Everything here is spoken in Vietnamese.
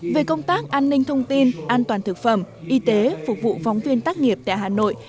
về công tác an ninh thông tin an toàn thực phẩm y tế phục vụ phóng viên tác nghiệp tại hà nội